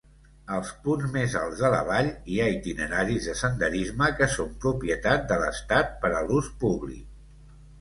Als punts més alts de la vall hi ha itineraris de senderisme que són propietat de l'estat per a l'ús públic.